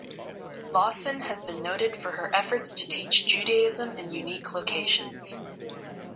Lawson has been noted for her efforts to teach Judaism in unique locations.